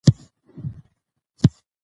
غم له تېرو پېښو سره تړاو لري.